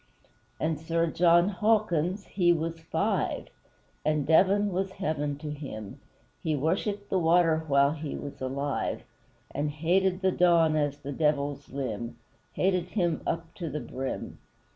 And Sir JOHN HAWKINS, he was FIVE And Devon was heaven to him, He worshipped the water while he was alive And hated the Don as the Devil's limb Hated him up to the brim!